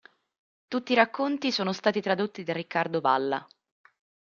Tutti i racconti sono stati tradotti da Riccardo Valla.